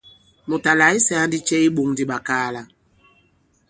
Mùt à làke saa ndi cɛ i iɓōŋ di ɓakaala ?